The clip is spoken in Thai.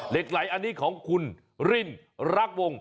เหล็กไหลอันนี้ของคุณรินรักวง